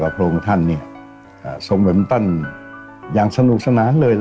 พระองค์ท่านทรงเป็นตันอย่างสนุกสนานเลย